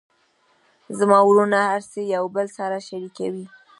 زما وروڼه هر څه یو بل سره شریکوي